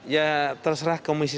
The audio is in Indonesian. ya terserah komisi satu